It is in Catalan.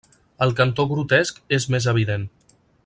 El cantó grotesc és més evident.